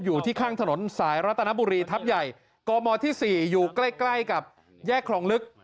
อยู่ที่ข้างถนนสายรัตนบุรีทัพใหญ่กมที่๔อยู่ใกล้ใกล้กับแยกคลองลึก